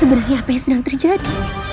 sebenarnya apa yang sedang terjadi